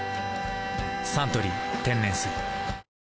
「サントリー天然水」